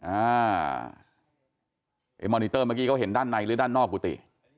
ไอ้มอนิเตอร์เมื่อกี้เขาเห็นด้านในหรือด้านนอกกุฏิ